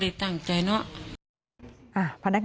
ไม่รู้จริงว่าเกิดอะไรขึ้น